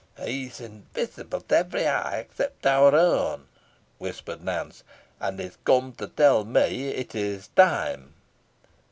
"He is invisible to every eye except our own," whispered Nance, "and is come to tell me it is time."